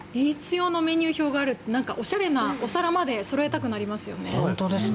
メニュー表があるというおしゃれなお皿をそろえたくなりますね。